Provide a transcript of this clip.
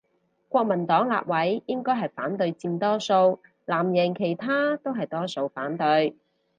國民黨立委應該係反對佔多數，藍營其他都係多數反對